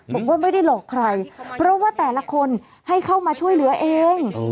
บอกว่าไม่ได้หลอกใครเพราะว่าแต่ละคนให้เข้ามาช่วยเหลือเอง